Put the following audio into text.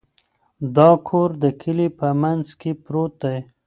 دا کور د کلي په منځ کې پروت دی.